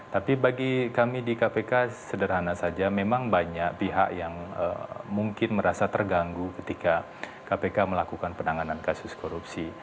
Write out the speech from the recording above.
tapi bagi kami di kpk sederhana saja memang banyak pihak yang mungkin merasa terganggu ketika kpk melakukan penanganan kasus korupsi